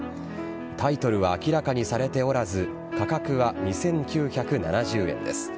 タイトルは明らかにされておらず価格は２９７０円です。